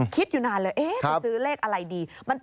คิดอยู่นานเลยจะซื้อเลขอะไรดี